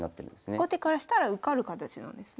後手からしたら受かる形なんですね。